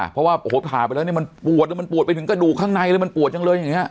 เพราะว่าผ่าไปแล้วมันปวดไปถึงกระดูกข้างในเลยมันปวดจังเลยอย่างนี้